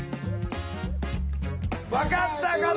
分かった方から。